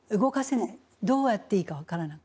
どうやっていいか分からない。